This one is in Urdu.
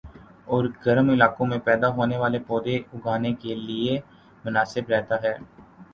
اور گرم علاقوں میں پیدا ہونے والے پودے اگانے کیلئے مناسب رہتا ہے